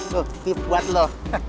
tuh tip buat lu